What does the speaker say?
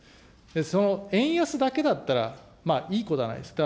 その円安だけだったらいいこじゃないですか。